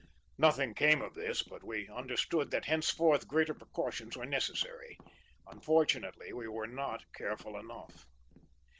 '"Nothing came of this, but we understood that henceforth greater precautions were necessary. Unfortunately, we were not careful enough.